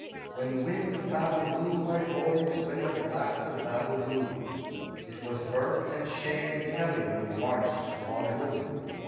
When the wind of battle blew, my boys, when the blast of battle blew, It was Burke, and Shea and Kelly when we marched to Waterloo.